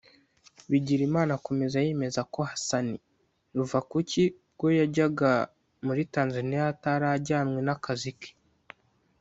Bigirimana akomeza yemeza ko Hassan Ruvakuki ubwo yajyaga muri Tanzaniya atari ajyanywe n’akazi ke